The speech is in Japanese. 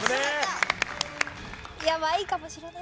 ヤバいかもしれない。